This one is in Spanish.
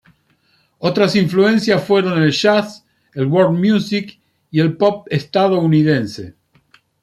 Otras influencias fueron el jazz, el world music y el pop estadounidense.